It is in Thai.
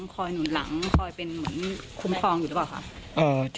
คอยหนุนหลังคอยเป็นเหมือนคุ้มครองอยู่หรือเปล่าคะ